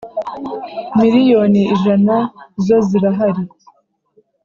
Miliyoni ijana zo zirahari.